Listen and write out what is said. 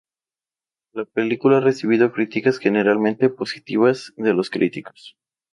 La película ha recibido críticas generalmente positivas de los críticos.